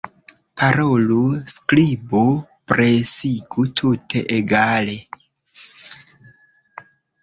Parolu, skribu, presigu; tute egale.